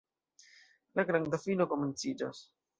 La granda fino komenciĝos.